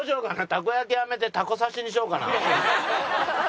たこ焼きやめてたこ刺しにしようかな？